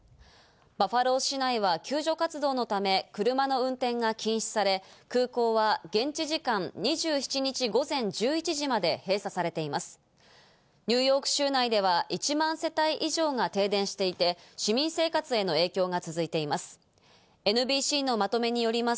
バファロー市内は救助活動のため車の運転が禁止され、空港は現地時間２７日、午前１１時まで閉鎖されています。